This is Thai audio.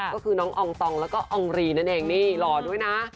ก็คือน้องอองตองแล้วก็อองรีนั่นเองนี่หล่อด้วยนะ